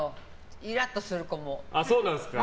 イラッとする子も。